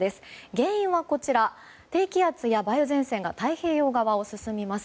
原因は、こちら低気圧や梅雨前線が太平洋側を進みます。